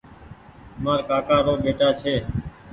مآر ڪآڪآ رو ٻيٽآ ڇي۔